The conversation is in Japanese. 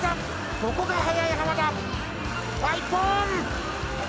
ここが速い浜田。